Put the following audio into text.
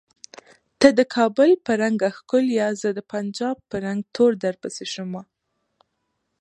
ته د کابل په رنګه ښکولیه زه د پنجاب په رنګ تور درپسې شومه